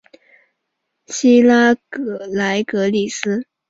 希拉莱格利斯。